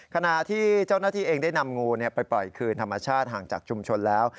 ขณะที่เจ้าหน้าที่เองได้นำงูไปปล่อยคืนธรรมชาติห่างจากชุมชนแล้ว